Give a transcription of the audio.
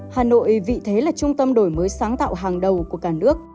hà nội vị thế là trung tâm đổi mới sáng tạo hàng đầu của cả nước